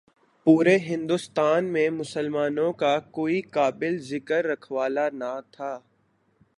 پورے ہندوستان میں مسلمانوں کا کوئی قابل ذکر رکھوالا نہ تھا۔